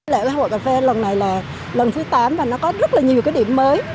lễ hội cà phê lần này là lần thứ tám và nó có rất nhiều điểm mới